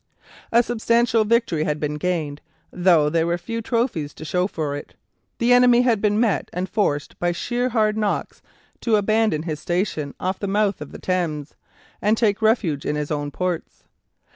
A substantial victory had been gained, though there were few trophies to show for it. The enemy had been met and forced by sheer hard knocks to abandon his station off the mouth of the Thames, and take refuge in his own ports.